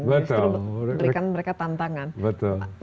justru berikan mereka tantangan